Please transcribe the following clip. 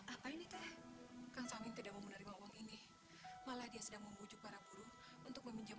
apa ini teh kang samin tidak mau menerima uang ini malah dia sedang membujuk para buruh untuk meminjam